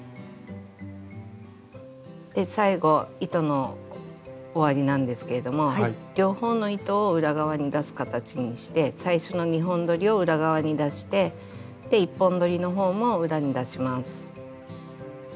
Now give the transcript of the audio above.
で最後糸の終わりなんですけれども両方の糸を裏側に出す形にして最初の２本どりを裏側に出して１本どりの方も裏に出します。